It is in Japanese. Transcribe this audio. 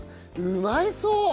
うまそう！